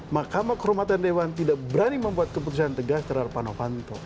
mahkamah kehormatan dewan tidak berani membuat keputusan tegas terhadap pak novanto